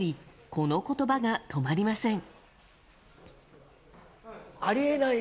この言葉が止まりません。